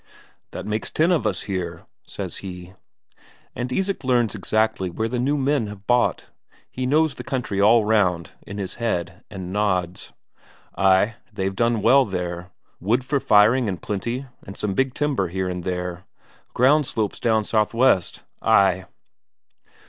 "That makes ten of us here," says he. And Isak learns exactly where the new men have bought, he knows the country all round in his head, and nods. "Ay, they've done well there; wood for firing in plenty, and some big timber here and there. Ground slopes down sou'west. Ay...."